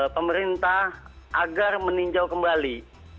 pemerintah agar meninjau kembali